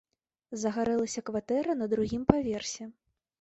Загарэлася кватэра на другім паверсе.